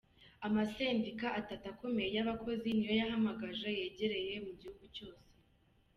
Amasendika atatu akomeye y'abakozi niyo yahamagaje yegereyegere mu gihugu cose.